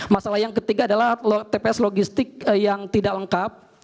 masalah yang ketiga adalah tps logistik yang tidak lengkap